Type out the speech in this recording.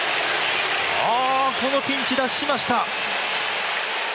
このピンチ、脱しました。